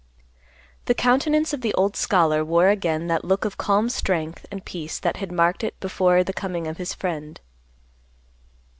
The countenance of the old scholar wore again that look of calm strength and peace that had marked it before the coming of his friend.